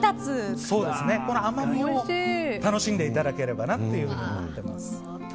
この甘みを楽しんでいただければと思ってます。